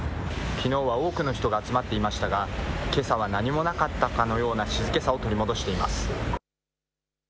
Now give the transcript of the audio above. きのうは多くの人が集まっていましたがけさは何もなかったかのような静けさを取り戻しています。